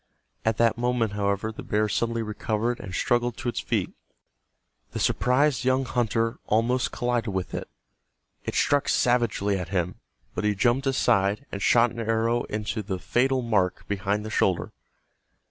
At that moment, however, the bear suddenly recovered and struggled to its feet. The surprised young hunter almost collided with it. It struck savagely at him, but he jumped aside, and shot an arrow into the fatal mark behind the shoulder.